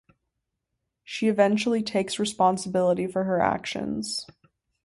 She eventually takes responsibility for her actions.